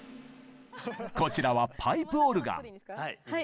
こちらはパイプオルガン。